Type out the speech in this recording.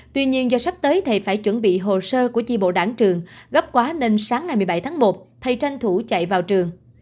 tuy nhiên do sắp tới thầy phải chuẩn bị hồ sơ của chi bộ đảng trường gấp quá nên sáng ngày một mươi bảy tháng một thầy tranh thủ chạy vào trường